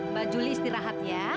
mbak julie istirahat ya